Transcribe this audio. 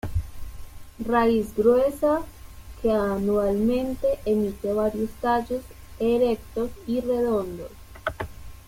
Raíz gruesa que anualmente emite varios tallos erectos y redondos.